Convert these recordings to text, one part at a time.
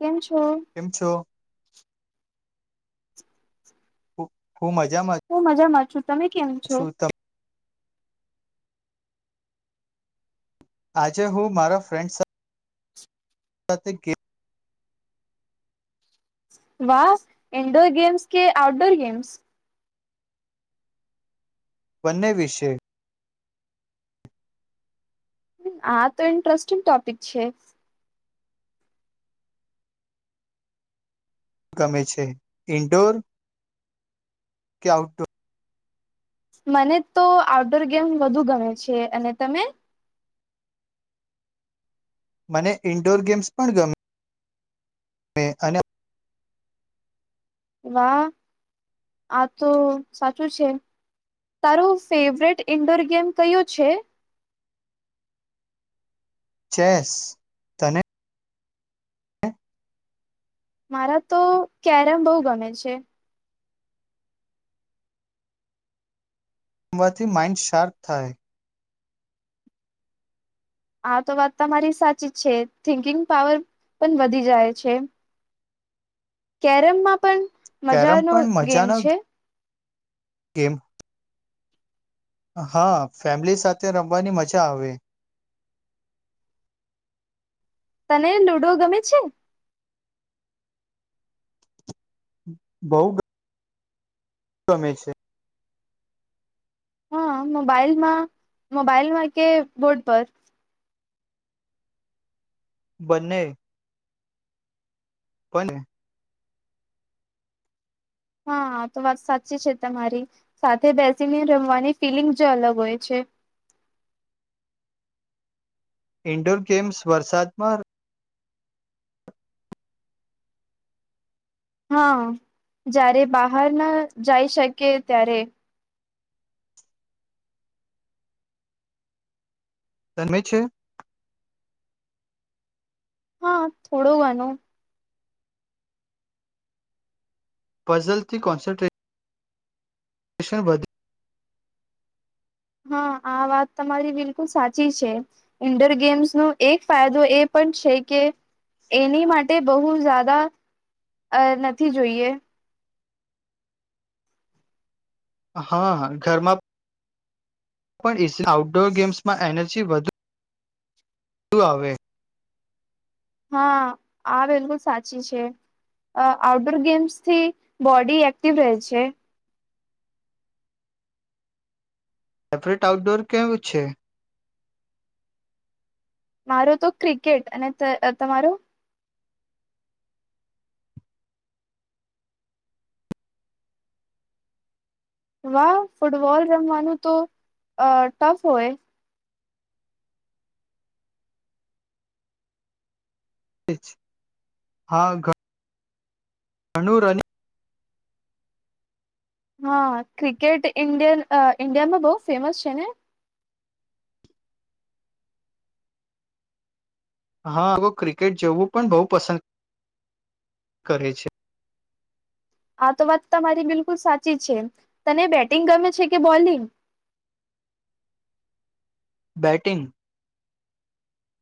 કેમ છ કેમ છો? [inaudible] હું મજામાં હું મજામાં છું. તમે કેમ છો? છું ત આજે હું મારા ફ્રેન્ડસ થ કે કે વાહ ઇન્ડો ગેમ્સ કે આઉટડોર ગેમ્સ? બંને વિશે. આ તો ઇન્ટરેસ્ટિંગ ટોપિક છે. ગમે છે, ઇન્ડોર, કે આઉટડો? મને તો આઉટડોર ગેમ વ ધુ ગમે છે અને તમે? મને ઇન્ડોર ગેમ્સ પણ ગમ એ અને વા આ તો સાચું છે તારું ફેવરેટ ઈન્ડોર ગેમ કયુ છે? ચેસ તને? મારા તો કેરમ બહુ ગમે છે. મવાથી માઇન્ડ સોટ થાય. આ તો વાત તમારી સાચી જ છે થિંકિંગ પાવર પણ વધી જાય છે. કેરમમાં પણ મજા કેરમ નો પણ ગેમ મજાનો છે. ગેમ હા ફેમિલી સાથે રમવાની મજા આવે. તને લૂડો ગમે છે? બઉુ. ગમે છે. હા મોબાઈલમાં, મોબાઈલમાં કે બોર્ડ પર? બને. કોઈને. હા તો વાત સાચી છે તમારી, સાથે બેસીને રમવાની ફિલિંગ જ અલગ હોય છે. ઇન્ડોર ગેમ્સ વરસાદમાં હા, જ્યારે બહાર ના જઈ શકે ત્યારે. તન્મે છેે [unintelligible] હા થોડો ઘનો. ફઝલથી કોન્સન્ટ્રેટ શણ વધ હા આ વાત તમારી બિલકુલ સાચી છે, ઇન્ડોર ગેમ્સનો એક ફાયદો એ પણ છે કે, એની માટે બહુ જદા નથી જોઈએ. હા ઘરમાં પણ આઉટડોર ગેમ્સમાં એનર્જી વધુ વધુ આવે. હા, આ બિલકુલ સાચી છે, આઉટડોર ગેમ્સથી બોડી એક્ટિવ રહે છે. સેપરેટ આઉટડોર કેવું છે? મારો તો ક્રિકેટ અને તમારો? વાહ ફૂટબોલ રમવાનું તો ટફ હોય. હા, ઘ ણુ રની હા ક્રિકેટ ઇન્ડિય ઇન્ડિયામાં બહુ ફેમસ છે ને? હા અગો ક્રિકેટ જવું પણ બહુ પસંદ કરે છે. આ તો વાત તમારી બિલકુલ સાચી છે, તને બેટિંગ ગમે છે કે બોલિંગ? બેટિંગ.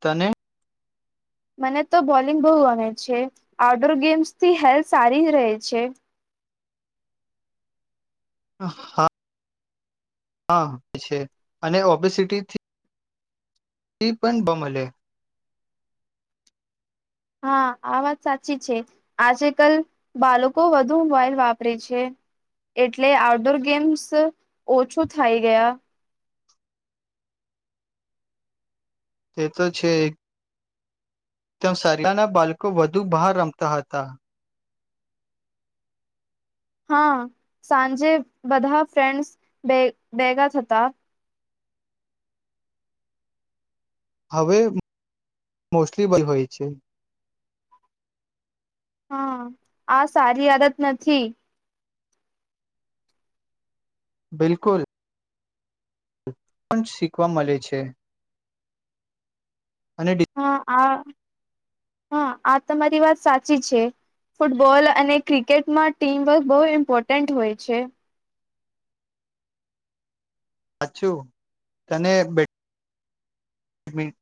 તને? મને તો બોલિંગ બહુ ગણે છે, આઉટડોર ગેમ્સથી હેલ્થ સારી રહે છે. હા હા છે અને ઓબેસિટીથી પણ બમલે [unintelligible] હા આ વાત સાચી છે, આજે કલ બાળકો વધુ મોબાઈલ વાપરે છે, એટલે આઉટડોર ગેમ્સ ઓછું થાય ગયા. તે તો છે ત સારીના બાળકો વધુ બહાર રમતા હતા. હા, સાંજે બધા ફ્રેન્ડ્સ ભગા થ હતા. હવે મોસ્ટલી બલ હોય છે. હા, આ સારી આદત નથી. બિલકુલ, પણ શીખવા મળે છે. અને હા આ હા આ તમારી વાત સાચી છે ફૂટબોલ અને ક્રિકેટમાં ટીમવર્ક બહુ ઇમ્પોર્ટન્ટ હોય છે સાછું તને બે હમી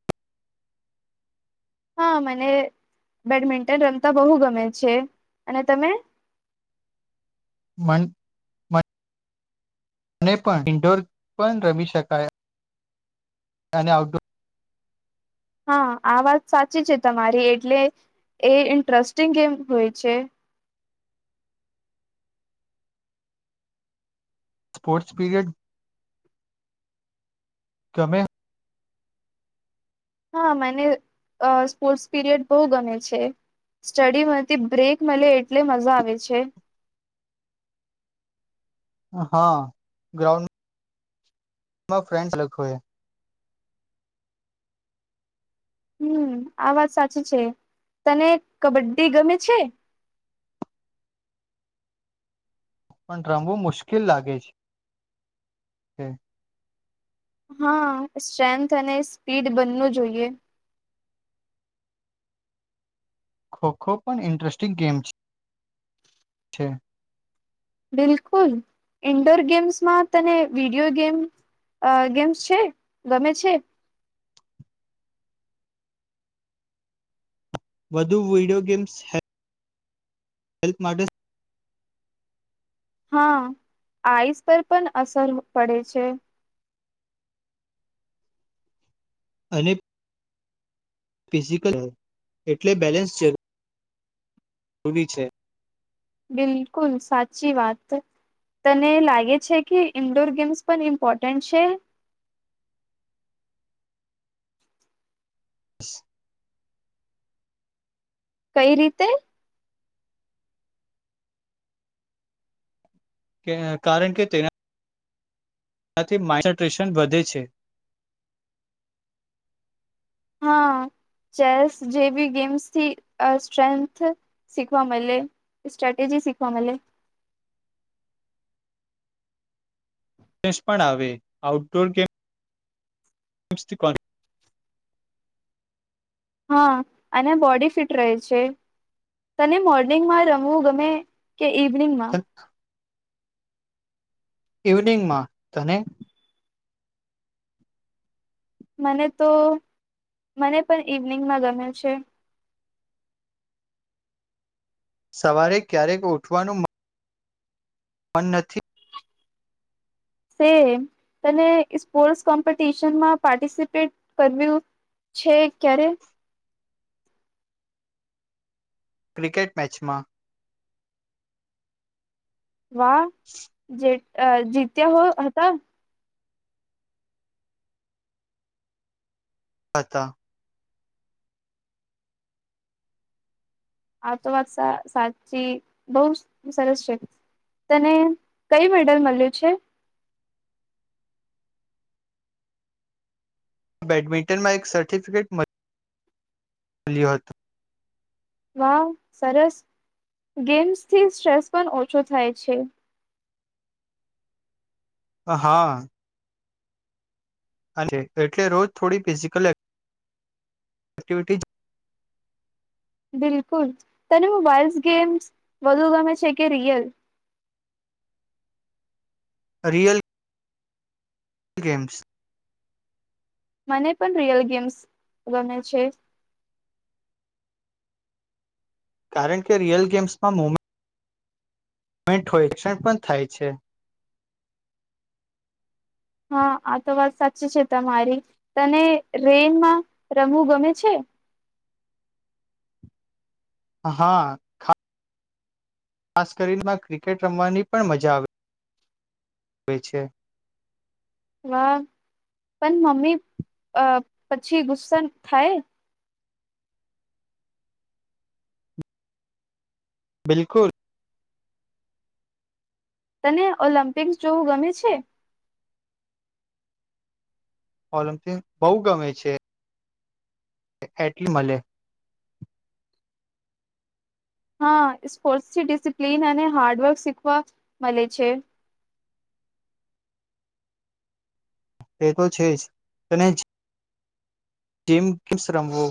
હા મને બેડમિન્ટન રમતા બહુ ગમે છે અને તમે મન અને પણ ઇન્ડોર પણ રમી શકાય અને આઉટડોર હા આ વાત સાચી છે તમારી એટલે એ ઇન્ટરેસ્ટિંગ ગેમ હોય છે સ્પોર્ટ્સ પીરિયડ ગમે હા મને અ સ્પોર્ટ્સ પીરિયડ બહુ ગમે છે સ્ટડીમાંથી બ્રેક મલે એટલે મજા આવે છે હા ગ્રાઉન્ડ મા ફ્રેન્ડ્સ લખ્યા હમ આ વાત સાચી છે તને કબડ્ડી ગમે છે પણ રમવું મુશ્કિલ લાગે છે હા સ્ટ્રેન્થ અને સ્પીડ બનનું જોઈએ ખો ખો પણ ઇન્ટરેસ્ટિંગ ગેમ છે બિલકુલ ઈન્ડોર ગેમ્સમાં તને વિડીયો ગેમ અ ગેમ્સ છે ગમે છે વધુ વીડિયો ગેમ્સ હૈ હેલ્પ માટે હા આઈસ પર પણ અસર પડે છે અને ફિઝિકલ એટલે બેલેન્સ જરૂ જરૂરી છે બિલકુલ સાચી વાત તને લાગે છે કે ઈન્ડોર ગેમ્સ પણ ઇમ્પોર્ટન્ટ છે બસ [unintelligible] કઈ રીતે કે કારણ કે તૈના તેનાથી માન્સન્ટ્રેશન વધે છે હા ચેસ જે બી ગેમ્સથી સ્ટ્રેન્થ શીખવા મલે સ્ટ્રેટેજી શીખવા મલે સ પણ આવે આઉટડોર ગેમ મુસ્તીિકન [unintelligible] હા અને બોડી ફિટ રહે છે તને મોર્નિંગમાં રમવું ગમે કે ઇવનિંગ માં ઇવનિંગમાં તને મને તો મને પણ ઈવનિંગમાં ગમ છે સવારે ક્યારેક ઉઠવાનું પણ નથી તે તને સ્પોર્ટ્સ કોમ્પિટિશનમાં પાર્ટિસિપેટ કર્યું છે ક્યારે ક્રિકેટ મેચમાં વાહ જે અ જીત્યા હોય હતા હતા આ તો વાત સા સાચી બહ સરસ છે તને કઈ મેડલ મલ્યું છે બેડમિન્ટનમાં એક સર્ટિફિકેટ મળ લ્યું હતો વાવ સરસ ગેમ્સથી સ્ટ્રેસ પણ ઓછો થાય છે હા અને એટલે રોજ થોડી ફિઝિકલ એક એક્ટિિવિટીજ તને મોબાઈલસ ગેમસ વધુ ગમે છે કે રિયલ રિયલ ગેમ્સ મને પણ રિયલ ગેમ્સ ગમે છે કારણ કે રિયલ ગેમ્સમાં મુમેન્ટ મ મીઠો એક્સન્ટ પણ થાય છે હા આ તો વાત સાચી છે તમારી તને રેનમાં રમવું ગમે છે હા ખા ખાસ કરીનેમાં ક્રિકેટ રમવાની પણ મજા આવી પય છે વાહ પણ મમ્મી અ પછી ગુસ્સા થાય બિલકુલ તને ઓલિમ્પિક્સ જોવું ગમે છે ઓલિમ્પિક બહુ ગમે છે કે એટલું મલે હા સ્પોર્ટ્સથી ડિસિપ્લિન અને હાર્ડવર્ક શીખવા મલે છે. તે તો છે જ તને જ ટીમ કુશ રમવો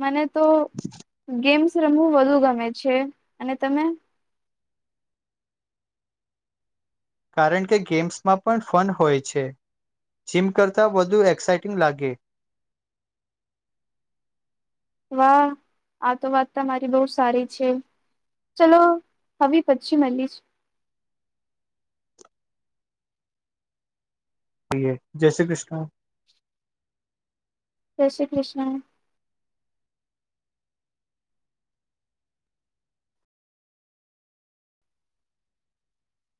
મને તો ગેમ્સ રમવું વધુ ગમે છે અને તમે કારણ કે ગેમ્સમાં પણ ફન હોય છે જીમ કરતા વધુ એક્સાઈટિંગ લાગે વાહ આ તો વાત તમારી બહુ સારી છે ચલો હવે પછી મલીસ એ જય શ્રી ક્રિષ્ન જય શ્રી કૃષ્ણ